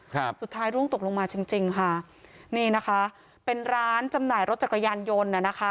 ครับสุดท้ายร่วงตกลงมาจริงจริงค่ะนี่นะคะเป็นร้านจำหน่ายรถจักรยานยนต์น่ะนะคะ